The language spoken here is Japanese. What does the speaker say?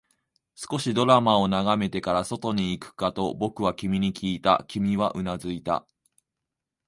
少しドラマを眺めてから、外に行くかと僕は君にきいた、君はうなずいた